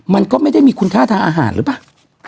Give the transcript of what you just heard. มันก็ไม่ได้มีคุณค่าทางอาหารหรือเปล่า